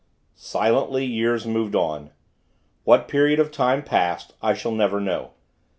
Silently, years moved on. What period of time passed, I shall never know.